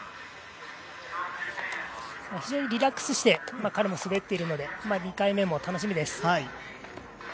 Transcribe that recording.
非常にリラックスして彼も滑っているので２回目も楽しみです。